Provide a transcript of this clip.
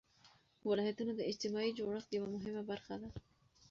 ولایتونه د اجتماعي جوړښت یوه مهمه برخه ده.